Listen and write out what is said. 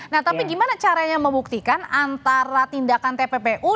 nah tapi gimana caranya membuktikan antara tindakan tppu